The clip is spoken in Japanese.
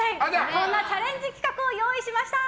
こんなチャレンジ企画を用意しました。